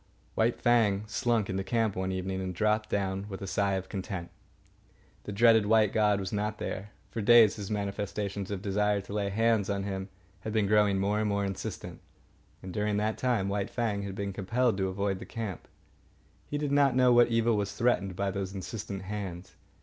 White Fang slunk into camp one evening and dropped down with a sigh of content. The dreaded white god was not there. For days his manifestations of desire to lay hands on him had been growing more insistent, and during that time White Fang had been compelled to avoid the camp. He did not know what evil was threatened by those insistent hands.